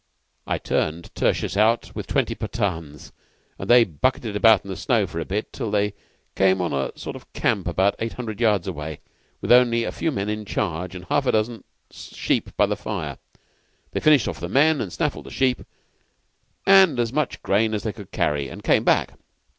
"I turned Tertius out with twenty Pathans, and they bucked about in the snow for a bit till they came on to a sort of camp about eight hundred yards away, with only a few men in charge and half a dozen sheep by the fire. They finished off the men, and snaffled the sheep and as much grain as they could carry, and came back.